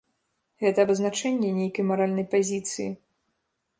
Гэта абазначэнне нейкай маральнай пазіцыі.